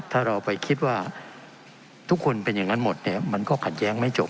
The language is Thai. ถ้าเราไปคิดว่าทุกคนเป็นอย่างนั้นหมดเนี่ยมันก็ขัดแย้งไม่จบ